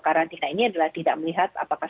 karantina ini adalah tidak melihat apakah